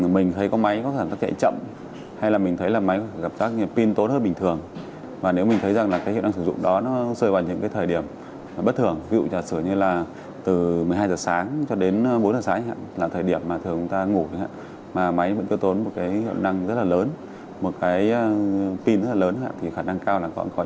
một cái pin rất là lớn thì khả năng cao là có những ứng dụng bất thường chạy đến đó